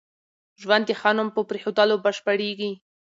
ژوند د ښه نوم په پرېښوولو بشپړېږي.